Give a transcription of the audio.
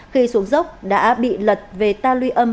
khi xuống dốc đã bị lật về ta luy âm